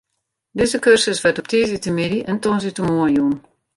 Dizze kursus wurdt op tiisdeitemiddei en tongersdeitemoarn jûn.